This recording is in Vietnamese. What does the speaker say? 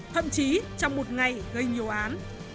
thậm chí trong một ngày gây nhiều án